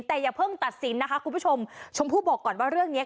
แต่อย่าเพิ่งตัดสินนะคะคุณผู้ชมชมพู่บอกก่อนว่าเรื่องเนี้ย